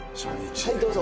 はいどうぞ。